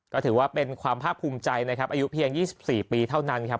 ก็ถือว่าเป็นความภาคภูมิใจนะครับอายุเพียง๒๔ปีเท่านั้นครับ